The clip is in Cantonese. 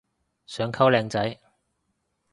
想溝靚仔